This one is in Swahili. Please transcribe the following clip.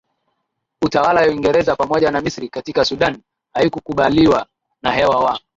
utawala ya uingereza pamoja na misri katika sudan haikukuubaliwa na hawa wa